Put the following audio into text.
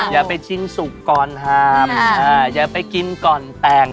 อย่าไปชิมสุกก่อนหามอย่าไปกินก่อนแต่ง